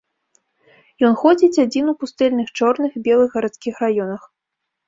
Ён ходзіць адзін у пустэльных чорных і белых гарадскіх раёнах.